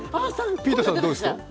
ピーターさんどうですか。